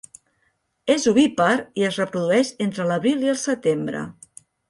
És ovípar i es reprodueix entre l'abril i el setembre.